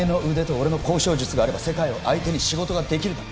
俺の交渉術があれば世界を相手に仕事ができるだろ